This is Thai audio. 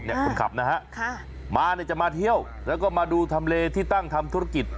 คนขับนะฮะมาเนี่ยจะมาเที่ยวแล้วก็มาดูทำเลที่ตั้งทำธุรกิจ